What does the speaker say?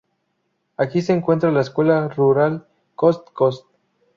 Aquí se encuentra la Escuela Rural Coz Coz.